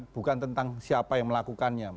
bukan tentang siapa yang melakukannya